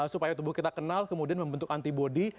supaya tubuh kita kenal kemudian membentuk antibody